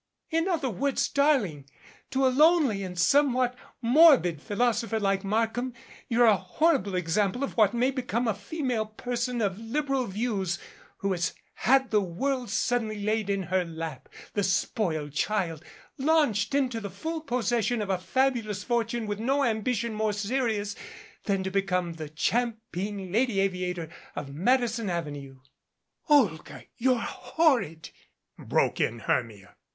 In other words, darling, to a lonely and somewhat morbid philosopher like Mark ham you're a horrible example of what may become of a female person of liberal views who has had the world suddenly laid in her lap ; the spoiled child launched into the full possession of a fabulous fortune with no ambition more serious than to become the 'champeen lady aviator of Madison Avenue '' "Olga ! You're horrid," broke in Hermia.